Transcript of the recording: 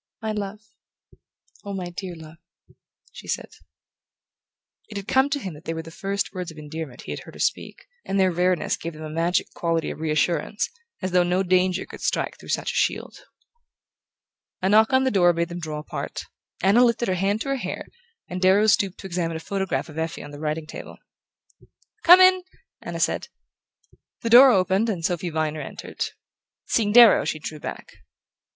"My love oh, my dear love!" she said. It came to him that they were the first words of endearment he had heard her speak, and their rareness gave them a magic quality of reassurance, as though no danger could strike through such a shield. A knock on the door made them draw apart. Anna lifted her hand to her hair and Darrow stooped to examine a photograph of Effie on the writing table. "Come in!" Anna said. The door opened and Sophy Viner entered. Seeing Darrow, she drew back.